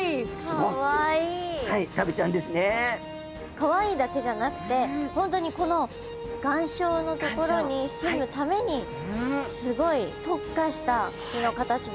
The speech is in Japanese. かわいいだけじゃなくて本当にこの岩礁の所にすむためにすごい特化した口の形だったり生活だったんですね。